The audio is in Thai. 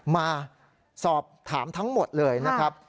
มาสอบถามทั้งหมดเลยนะครับ